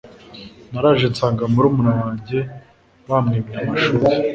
naraje nsanga murumuna wanjye bamwimye amashuri